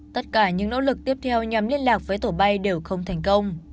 tất cả những nỗ lực tiếp theo nhằm liên lạc với tổ bay đều không thành công